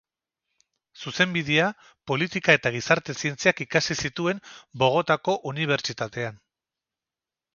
Zuzenbidea, politika- eta gizarte-zientziak ikasi zituen Bogotako Unibertsitatean.